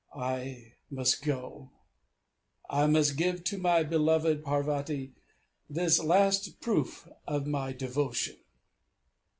I must go. I must give to my beloved Parvati this last proof of my devotion.